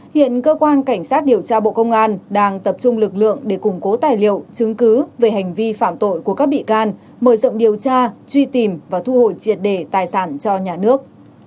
hiện cơ quan cảnh sát điều tra bộ công an đang tập trung lực lượng để củng cố tài liệu chứng cứ về hành vi phạm tội của các bị can mở rộng điều tra truy tìm và thu hồi triệt đề tài sản cho nhà nước